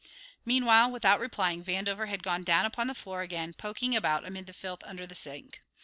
Meanwhile, without replying, Vandover had gone down upon the floor again, poking about amid the filth under the sink.